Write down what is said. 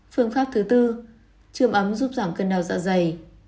phương pháp thứ tư chươm ấm giúp giảm cơn đau dạ dày